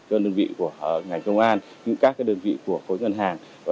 các đơn vị của ngành công an những các đơn vị của phối ngân hàng